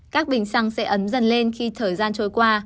các bình xăng sẽ ấm dần lên khi thời gian trôi qua